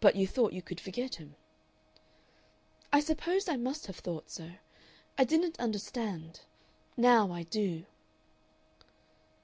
"But you thought you could forget him." "I suppose I must have thought so. I didn't understand. Now I do."